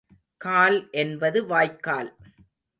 கால் என்பது வாய்க்கால்.